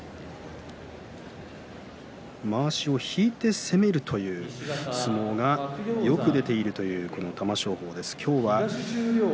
まわしを引いて攻めるという相撲がよく出ているというこの玉正鳳です。